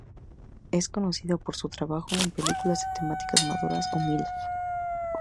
Es conocida por su trabajo en películas de temática maduras o Milf.